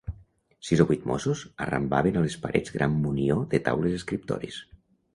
Sis o vuit mossos arrambaven a les parets gran munió de taules-escriptoris